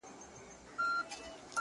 نور به د پېغلوټو د لونګ خبري نه کوو!!